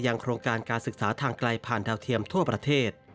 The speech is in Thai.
โครงการการศึกษาทางไกลผ่านดาวเทียมทั่วประเทศ